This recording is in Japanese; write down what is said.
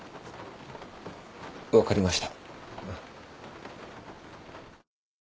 分かりました。